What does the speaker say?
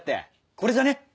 これじゃね？